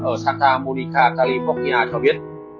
ở santa monica california cho biết